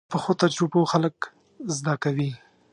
پخو تجربو خلک زده کوي